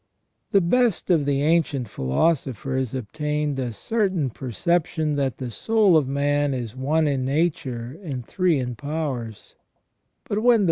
The best of the ancient philosophers obtained a certain perception that the soul of man is one in nature and three in powers; but when the ON THE NATURE OF MAN.